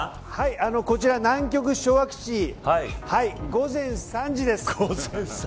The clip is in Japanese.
こちら、南極昭和基地午前３時です。